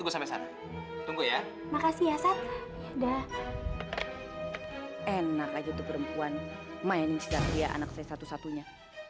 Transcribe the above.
sampai jumpa di video selanjutnya